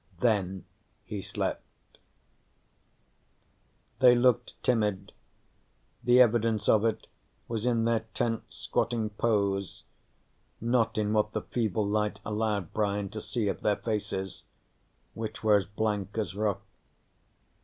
Then he slept. They looked timid. The evidence of it was in their tense squatting pose, not in what the feeble light allowed Brian to see of their faces, which were as blank as rock.